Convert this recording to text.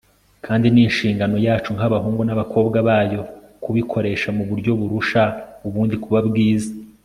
kandi ni inshingano yacu, nk'abahungu n'abakobwa bayo, kubikoresha mu buryo burusha ubundi kuba bwiza